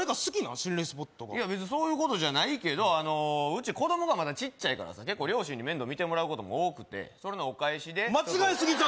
心霊スポットが別にそういうことじゃないけどあのうち子供がまだ小さいからさ結構両親に面倒みてもらうことも多くてそれのお返しで間違いすぎちゃう？